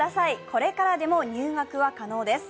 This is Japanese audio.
これからでも入学は可能です。